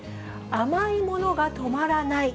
甘いものが止まらない。